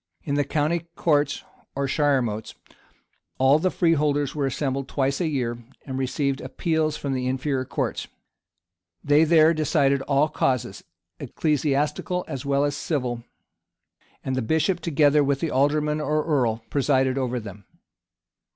In the county courts, or shiremotes, all the freeholders were assembled twice a year, and received appeals from the inferior courts. They there decided all causes, ecclesiastical as well as civil; and the bishop, together with the alderman or earl, presided over them.